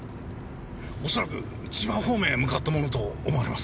恐らく千葉方面へ向かったものと思われます。